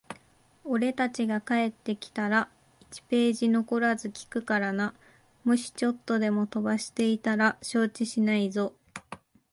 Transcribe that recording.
俺たちが帰ってきたら、一ページ残らず聞くからな。もしちょっとでも飛ばしていたら承知しないぞ。